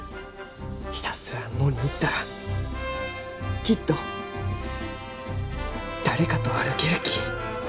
ひたすら野に行ったらきっと誰かと歩けるき。